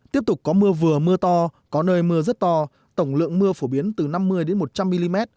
tiếp tục có mưa vừa mưa to có nơi mưa rất to tổng lượng mưa phổ biến từ năm mươi một trăm linh mm